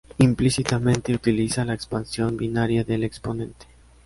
Implícitamente utiliza la expansión binaria del exponente.